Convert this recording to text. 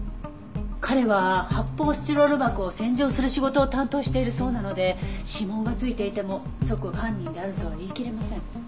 彼は発泡スチロール箱を洗浄する仕事を担当しているそうなので指紋が付いていても即犯人であるとは言いきれません。